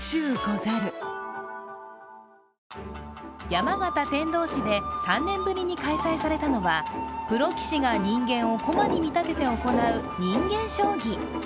山形・天童市で３年ぶりに開催されたのは、プロ棋士が人間を駒に見立てて行う人間将棋。